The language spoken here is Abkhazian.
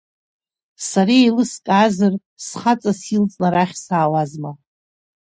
Сара иеилыскаазар, схаҵа силҵны арахь саауазма?